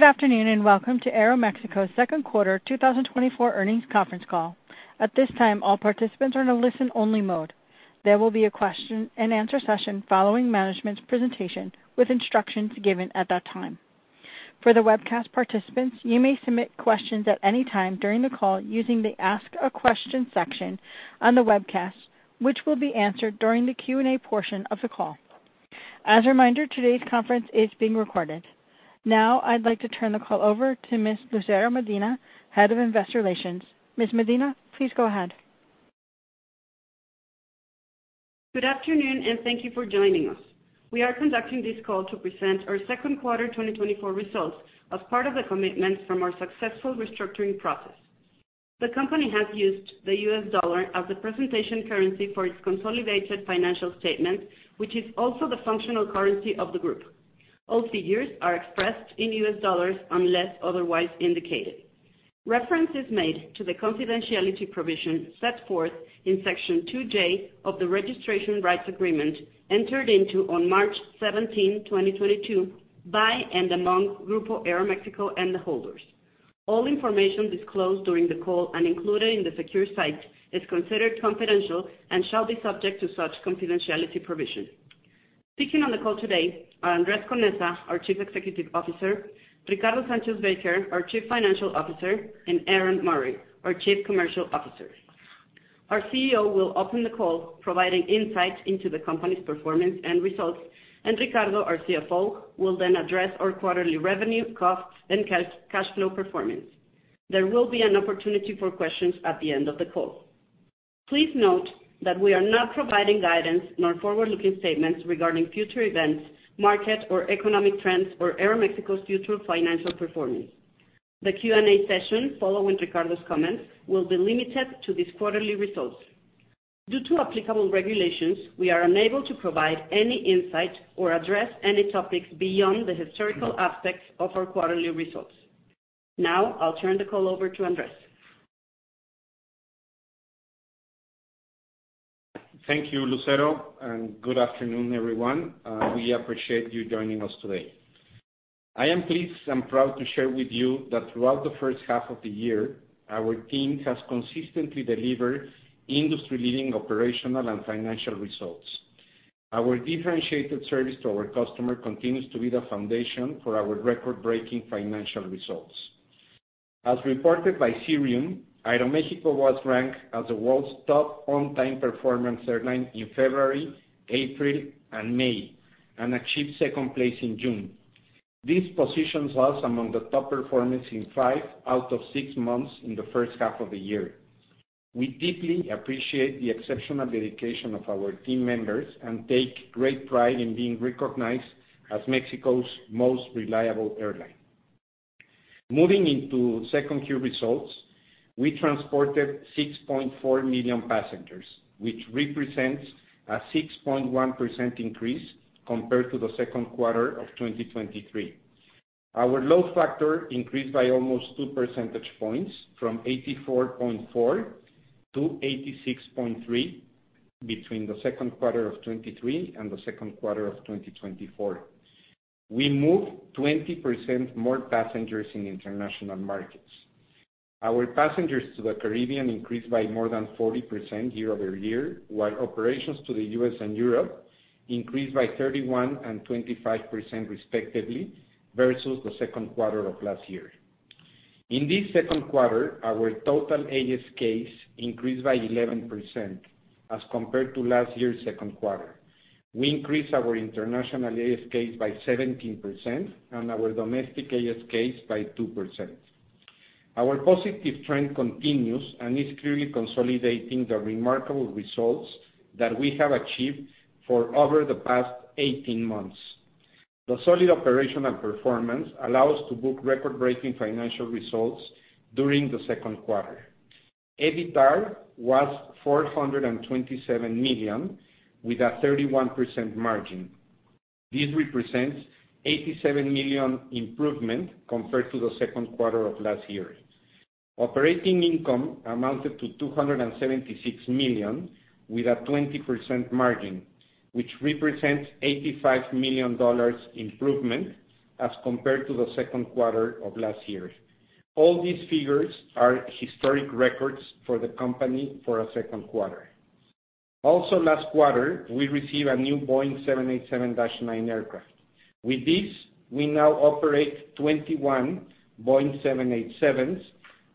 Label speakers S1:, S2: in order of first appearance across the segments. S1: Good afternoon and welcome to Aeromexico's second quarter 2024 earnings conference call. At this time, all participants are in a listen-only mode. There will be a question-and-answer session following management's presentation, with instructions given at that time. For the webcast participants, you may submit questions at any time during the call using the Ask a Question section on the webcast, which will be answered during the Q&A portion of the call. As a reminder, today's conference is being recorded. Now, I'd like to turn the call over to Ms. Lucero Medina, Head of Investor Relations. Ms. Medina, please go ahead.
S2: Good afternoon, and thank you for joining us. We are conducting this call to present our second quarter 2024 results as part of the commitments from our successful restructuring process. The company has used the U.S. dollar as the presentation currency for its consolidated financial statements, which is also the functional currency of the group. All figures are expressed in U.S. dollars unless otherwise indicated. Reference is made to the confidentiality provision set forth in Section 2J of the Registration Rights Agreement entered into on March 17, 2022, by and among Grupo Aeromexico and the holders. All information disclosed during the call and included in the secure site is considered confidential and shall be subject to such confidentiality provision. Speaking on the call today are Andrés Conesa, our Chief Executive Officer, Ricardo Sánchez Baker, our Chief Financial Officer, and Aaron Murray, our Chief Commercial Officer. Our CEO will open the call, providing insight into the company's performance and results, and Ricardo, our CFO, will then address our quarterly revenue, costs, and cash flow performance. There will be an opportunity for questions at the end of the call. Please note that we are not providing guidance nor forward-looking statements regarding future events, market, or economic trends for Aeromexico's future financial performance. The Q&A session following Ricardo's comments will be limited to these quarterly results. Due to applicable regulations, we are unable to provide any insight or address any topics beyond the historical aspects of our quarterly results. Now, I'll turn the call over to Andrés.
S3: Thank you, Lucero, and good afternoon, everyone. We appreciate you joining us today. I am pleased and proud to share with you that throughout the first half of the year, our team has consistently delivered industry-leading operational and financial results. Our differentiated service to our customer continues to be the foundation for our record-breaking financial results. As reported by Cirium, Aeromexico was ranked as the world's top on-time performance airline in February, April, and May, and achieved second place in June. This positions us among the top performers in five out of six months in the first half of the year. We deeply appreciate the exceptional dedication of our team members and take great pride in being recognized as Mexico's most reliable airline. Moving into second quarter results, we transported 6.4 million passengers, which represents a 6.1% increase compared to the second quarter of 2023. Our load factor increased by almost two percentage points from 84.4 to 86.3 between the second quarter of 2023 and the second quarter of 2024. We moved 20% more passengers in international markets. Our passengers to the Caribbean increased by more than 40% year-over-year, while operations to the U.S. and Europe increased by 31% and 25%, respectively, versus the second quarter of last year. In this second quarter, our total ASKs increased by 11% as compared to last year's second quarter. We increased our international ASKs by 17% and our domestic ASKs by 2%. Our positive trend continues and is clearly consolidating the remarkable results that we have achieved for over the past 18 months. The solid operational performance allows us to book record-breaking financial results during the second quarter. EBITDA was $427 million, with a 31% margin. This represents a $87 million improvement compared to the second quarter of last year. Operating income amounted to $276 million, with a 20% margin, which represents an $85 million improvement as compared to the second quarter of last year. All these figures are historic records for the company for a second quarter. Also, last quarter, we received a new Boeing 787-9 aircraft. With this, we now operate 21 Boeing 787s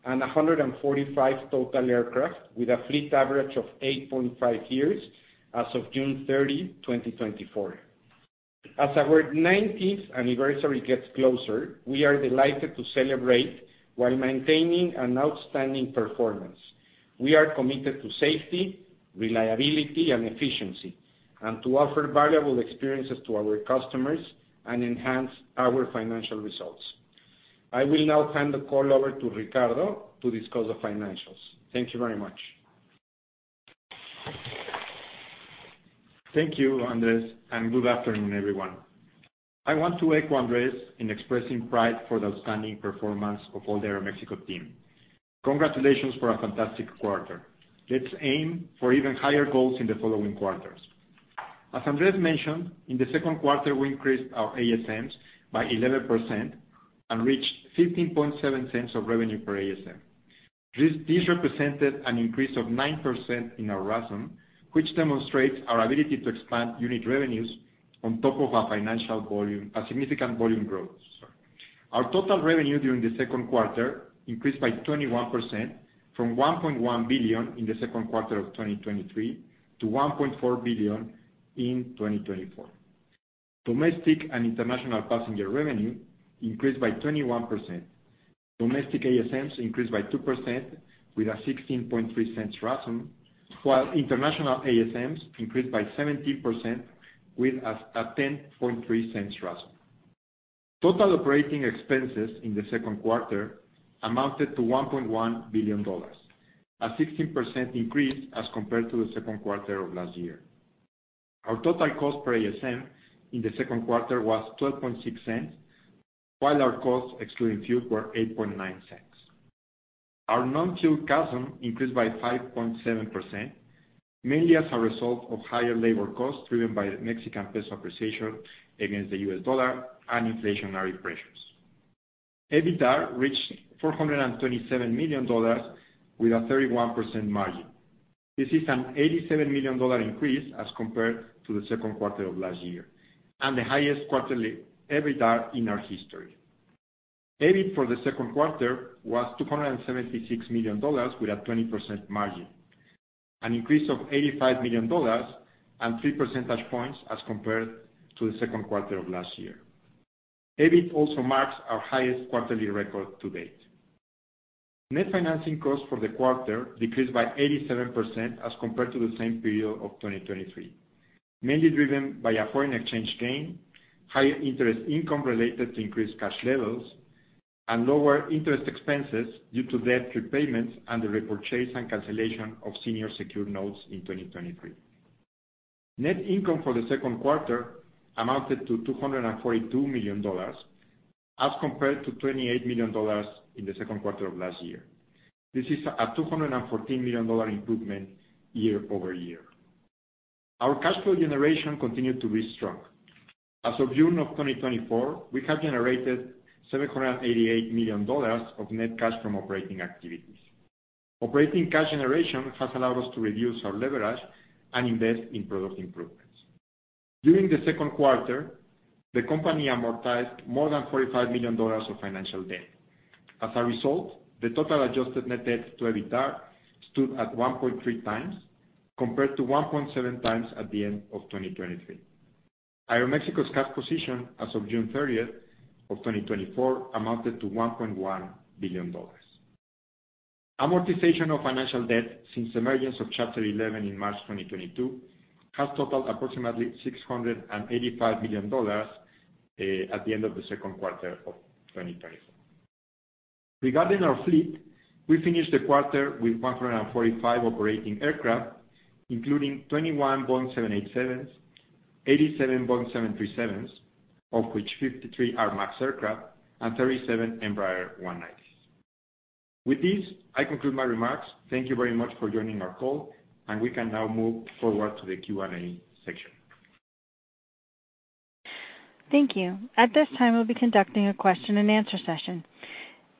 S3: and 145 total aircraft, with a fleet average of 8.5 years as of June 30, 2024. As our 19th anniversary gets closer, we are delighted to celebrate while maintaining an outstanding performance. We are committed to safety, reliability, and efficiency, and to offer valuable experiences to our customers and enhance our financial results. I will now hand the call over to Ricardo to discuss the financials. Thank you very much.
S4: Thank you, Andrés, and good afternoon, everyone. I want to echo Andrés in expressing pride for the outstanding performance of all the Aeromexico team. Congratulations for a fantastic quarter. Let's aim for even higher goals in the following quarters. As Andrés mentioned, in the second quarter, we increased our ASMs by 11% and reached $0.157 of revenue per ASM. This represented an increase of 9% in our RASM, which demonstrates our ability to expand unit revenues on top of a significant volume growth. Our total revenue during the second quarter increased by 21% from $1.1 billion in the second quarter of 2023 to $1.4 billion in 2024. Domestic and international passenger revenue increased by 21%. Domestic ASMs increased by 2% with a $0.163 RASM, while international ASMs increased by 17% with a $0.103 RASM. Total operating expenses in the second quarter amounted to $1.1 billion, a 16% increase as compared to the second quarter of last year. Our total cost per ASM in the second quarter was $0.126, while our costs, excluding fuel, were $0.089. Our non-fuel CASM increased by 5.7%, mainly as a result of higher labor costs driven by the Mexican peso appreciation against the U.S. dollar and inflationary pressures. EBITDA reached $427 million with a 31% margin. This is an $87 million increase as compared to the second quarter of last year and the highest quarterly EBITDA in our history. EBIT for the second quarter was $276 million with a 20% margin, an increase of $85 million and 3 percentage points as compared to the second quarter of last year. EBIT also marks our highest quarterly record to date. Net financing costs for the quarter decreased by 87% as compared to the same period of 2023, mainly driven by a foreign exchange gain, higher interest income related to increased cash levels, and lower interest expenses due to debt repayments and the repurchase and cancellation of senior secured notes in 2023. Net income for the second quarter amounted to $242 million as compared to $28 million in the second quarter of last year. This is a $214 million improvement year-over-year. Our cash flow generation continued to be strong. As of June of 2024, we have generated $788 million of net cash from operating activities. Operating cash generation has allowed us to reduce our leverage and invest in product improvements. During the second quarter, the company amortized more than $45 million of financial debt. As a result, the total adjusted net debt to EBITDA stood at 1.3 times compared to 1.7 times at the end of 2023. Aeromexico's cash position as of June 30th of 2024 amounted to $1.1 billion. Amortization of financial debt since the emergence of Chapter 11 in March 2022 has totaled approximately $685 million at the end of the second quarter of 2024. Regarding our fleet, we finished the quarter with 145 operating aircraft, including 21 Boeing 787s, 87 Boeing 737s, of which 53 are MAX aircraft and 37 Embraer 190s. With this, I conclude my remarks. Thank you very much for joining our call, and we can now move forward to the Q&A section.
S1: Thank you. At this time, we'll be conducting a question-and-answer session.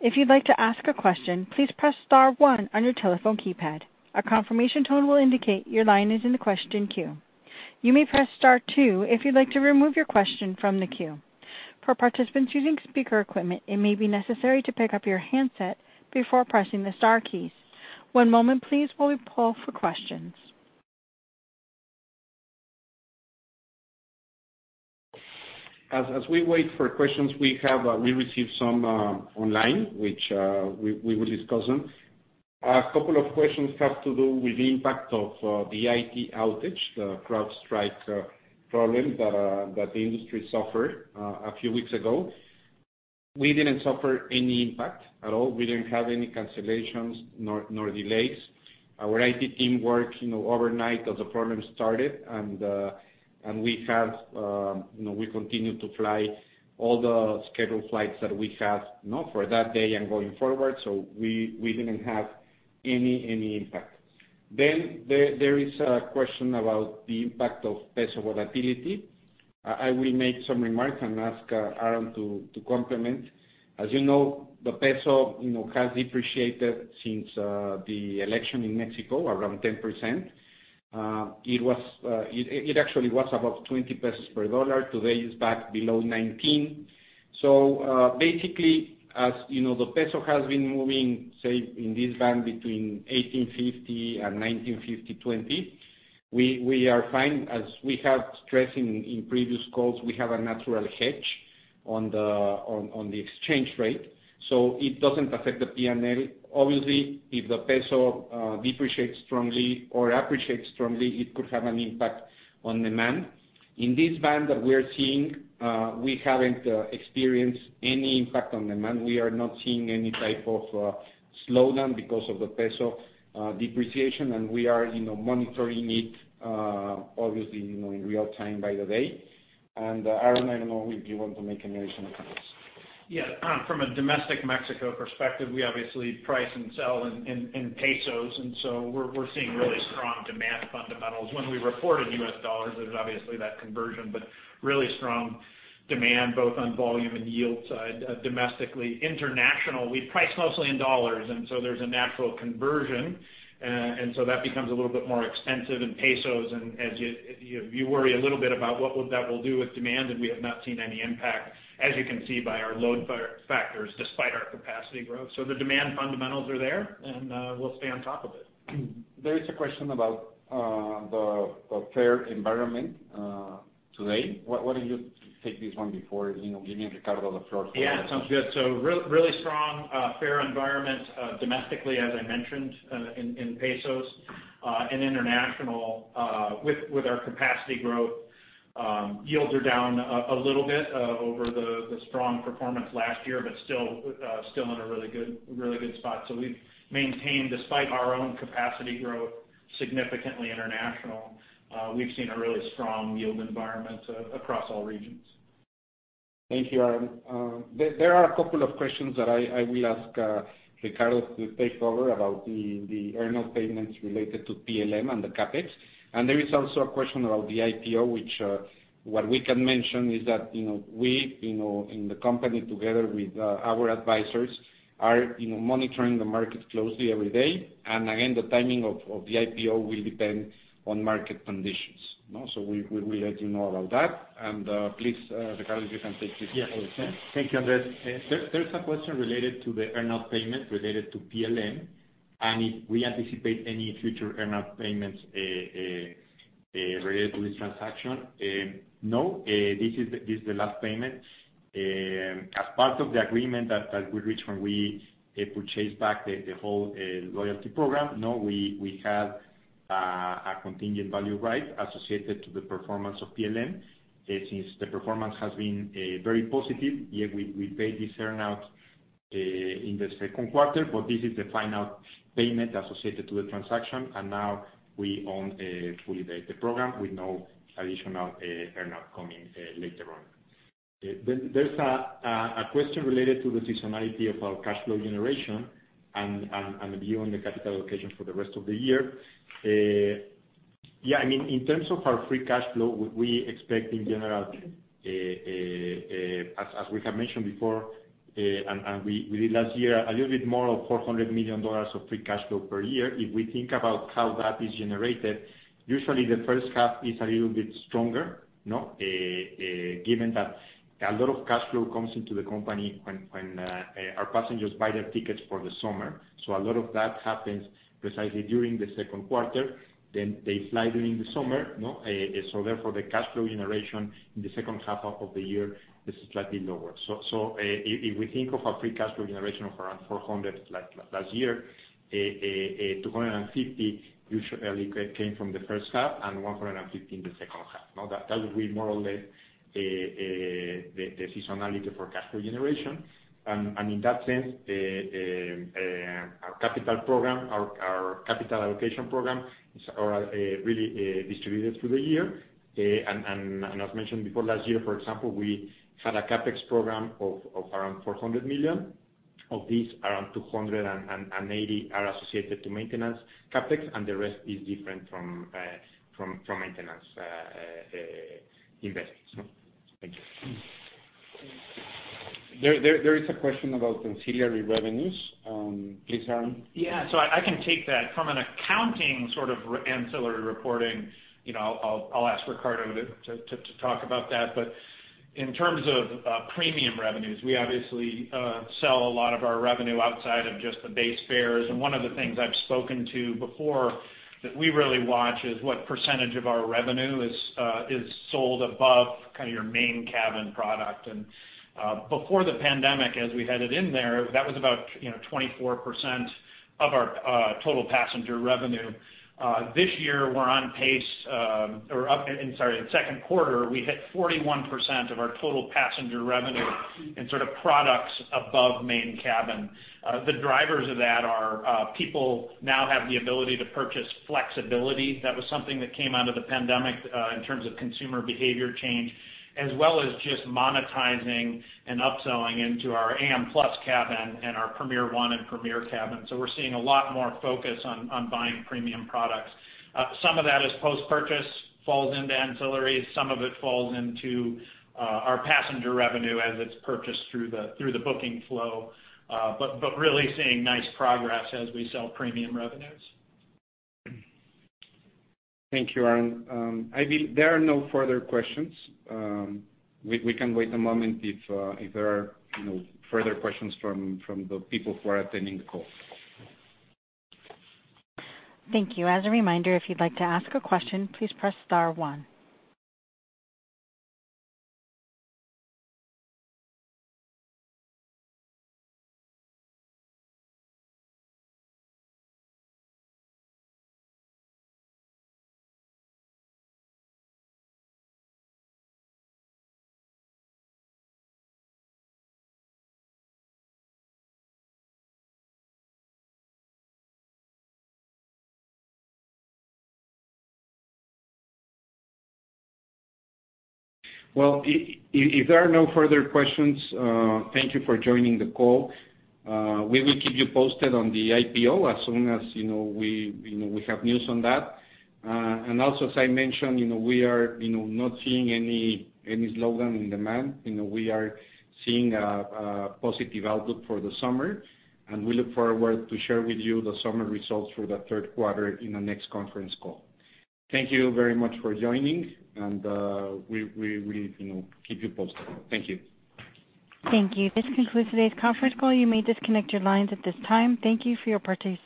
S1: If you'd like to ask a question, please press star one on your telephone keypad. A confirmation tone will indicate your line is in the question queue. You may press star two if you'd like to remove your question from the queue. For participants using speaker equipment, it may be necessary to pick up your handset before pressing the star keys. One moment, please, while we pull for questions.
S4: As we wait for questions, we received some online, which we will discuss. A couple of questions have to do with the impact of the IT outage, the CrowdStrike problem that the industry suffered a few weeks ago. We didn't suffer any impact at all. We didn't have any cancellations nor delays. Our IT team worked overnight as the problem started, and we continued to fly all the scheduled flights that we have for that day and going forward. So we didn't have any impact. Then there is a question about the impact of peso volatility. I will make some remarks and ask Aaron to comment. As you know, the peso has depreciated since the election in Mexico, around 10%. It actually was above 20 pesos per dollar. Today, it's back below 19. So basically, as the peso has been moving, say, in this band between 18.50 and 19.50 to 20, we are fine. As we have stressed in previous calls, we have a natural hedge on the exchange rate. So it doesn't affect the P&L. Obviously, if the peso depreciates strongly or appreciates strongly, it could have an impact on demand. In this band that we are seeing, we haven't experienced any impact on demand. We are not seeing any type of slowdown because of the peso depreciation, and we are monitoring it, obviously, in real time by the day. And Aaron, I don't know if you want to make any additional comments.
S5: Yeah. From a domestic Mexico perspective, we obviously price and sell in pesos. And so we're seeing really strong demand fundamentals. When we report in U.S. dollars, there's obviously that conversion, but really strong demand both on volume and yield side domestically. International, we price mostly in dollars, and so there's a natural conversion. And so that becomes a little bit more expensive in pesos. And as you worry a little bit about what that will do with demand, we have not seen any impact, as you can see, by our load factors despite our capacity growth. So the demand fundamentals are there, and we'll stay on top of it.
S3: There is a question about the fare environment today. Why don't you take this one before giving Ricardo the floor for the question?
S5: Yeah, sounds good. Really strong fare environment domestically, as I mentioned, in pesos and international. With our capacity growth, yields are down a little bit over the strong performance last year, but still in a really good spot. We've maintained, despite our own capacity growth significantly international, we've seen a really strong yield environment across all regions.
S3: Thank you, Aaron. There are a couple of questions that I will ask Ricardo to take over about the annual payments related to PLM and the CapEx, and there is also a question about the IPO, which what we can mention is that we, in the company, together with our advisors, are monitoring the market closely every day, and again, the timing of the IPO will depend on market conditions, so we will let you know about that, and please, Ricardo, if you can take this question.
S4: Yes. Thank you, Andrés. There's a question related to the annual payment related to PLM and if we anticipate any future annual payments related to this transaction. No, this is the last payment. As part of the agreement that we reached when we purchased back the whole loyalty program, no, we have a contingent value right associated to the performance of PLM. Since the performance has been very positive, we paid this earnout in the second quarter, but this is the final payment associated to the transaction. And now we own fully the program with no additional earnout coming later on. There's a question related to the seasonality of our cash flow generation and the view on the capital allocation for the rest of the year. Yeah, I mean, in terms of our free cash flow, we expect, in general, as we have mentioned before, and we did last year, a little bit more of $400 million of free cash flow per year. If we think about how that is generated, usually the first half is a little bit stronger, given that a lot of cash flow comes into the company when our passengers buy their tickets for the summer. So a lot of that happens precisely during the second quarter. Then they fly during the summer. So therefore, the cash flow generation in the second half of the year is slightly lower. So if we think of our free cash flow generation of around $400 million last year, $250 million usually came from the first half and $150 million in the second half. That would be more or less the seasonality for cash flow generation. In that sense, our capital program, our capital allocation program, is really distributed through the year. As mentioned before, last year, for example, we had a CapEx program of around $400 million. Of these, around $280 million are associated to maintenance CapEx, and the rest is different from maintenance investments. Thank you.
S3: There is a question about ancillary revenues. Please, Aaron.
S5: Yeah, so I can take that. From an accounting sort of ancillary reporting, I'll ask Ricardo to talk about that, but in terms of premium revenues, we obviously sell a lot of our revenue outside of just the base fares, and one of the things I've spoken to before that we really watch is what percentage of our revenue is sold above kind of your Main Cabin product. And before the pandemic, as we headed in there, that was about 24% of our total passenger revenue. This year, we're on pace or, sorry, in second quarter, we hit 41% of our total passenger revenue in sort of products above Main Cabin. The drivers of that are people now have the ability to purchase flexibility. That was something that came out of the pandemic in terms of consumer behavior change, as well as just monetizing and upselling into our AM Plus Cabin and our Premier One and Premier Cabin. So we're seeing a lot more focus on buying premium products. Some of that is post-purchase, falls into ancillaries. Some of it falls into our passenger revenue as it's purchased through the booking flow, but really seeing nice progress as we sell premium revenues.
S3: Thank you, Aaron. I believe there are no further questions. We can wait a moment if there are further questions from the people who are attending the call.
S1: Thank you. As a reminder, if you'd like to ask a question, please press star one.
S3: If there are no further questions, thank you for joining the call. We will keep you posted on the IPO as soon as we have news on that. Also, as I mentioned, we are not seeing any slowdown in demand. We are seeing a positive outlook for the summer, and we look forward to sharing with you the summer results for the third quarter in the next conference call. Thank you very much for joining, and we will keep you posted. Thank you.
S1: Thank you. This concludes today's conference call. You may disconnect your lines at this time. Thank you for your participation.